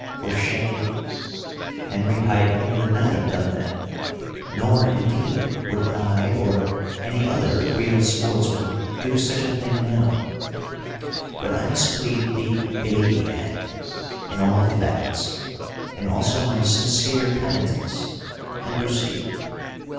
For shame! Henry Highton would not have done that; nor, indeed, would I or any other real sportsman do such a thing now; but I must plead the "Baby Act," and all the facts, and also my sincere penitence, and proceed.